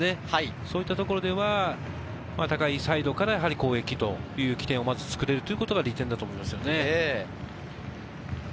そういったところでは、高いサイドから攻撃という起点をまず作れるということが利点だと思います。